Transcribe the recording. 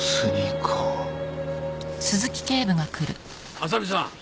浅見さん。